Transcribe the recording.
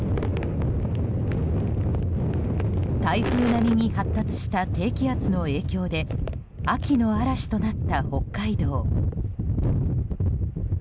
台風並みに発達した低気圧の影響で秋の嵐となった北海道。